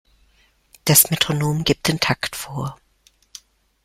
Das Metronom gibt den Takt vor.